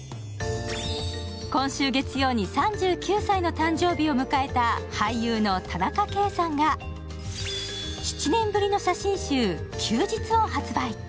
今週月曜に３９歳の誕生日を迎えた俳優の田中圭さんが７年ぶりの写真集「休日」を発売。